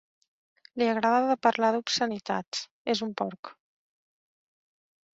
Li agrada de parlar d'obscenitats: és un porc.